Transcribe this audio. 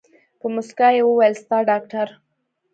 په موسکا يې وويل ستا ډاکتر.